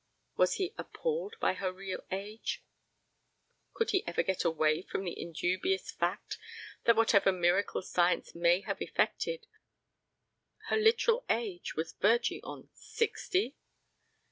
Was he appalled by her real age; could he ever get away from the indubious fact that whatever miracle science may have effected, her literal age was verging on sixty?